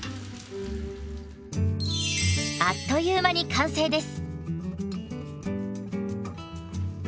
あっという間に完成です。